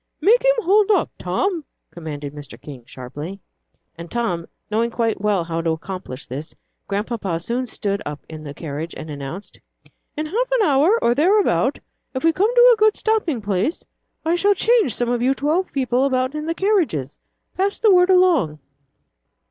"Make him hold up, Tom!" commanded Mr. King, sharply. And Tom knowing quite well how to accomplish this, Grandpapa soon stood up in the carriage and announced, "In half an hour, or thereabout, if we come to a good stopping place, I shall change some of you twelve people about in the carriages. Pass the word along."